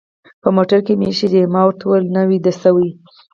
په موټر کې مې اېښي دي، ما ورته وویل: ته ویده شوې؟